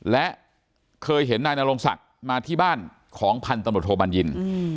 และเคยเห็นนายนรงศักดิ์มาที่บ้านของพันตำรวจโทบัญญิน